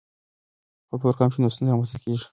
که پلور کم شي نو ستونزه رامنځته کیږي.